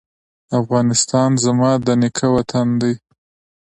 افغانستان زما د نیکه وطن دی